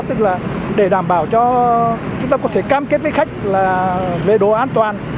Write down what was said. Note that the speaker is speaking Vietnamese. tức là để đảm bảo cho chúng ta có thể cam kết với khách là về đồ an toàn